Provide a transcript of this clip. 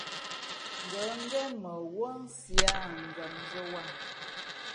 Ngα̌ ngén mα wúά nsi â njamzᾱ wāha.